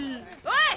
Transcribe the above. おい！